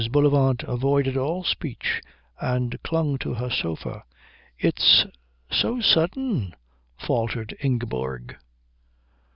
Bullivant avoided all speech and clung to her sofa. "It's so sudden," faltered Ingeborg.